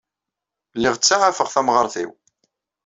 Lliɣ ttsaɛafeɣ tamɣart-inu.